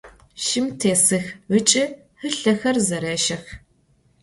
Şşım têsıx ıç'i hılhexer zerêşex.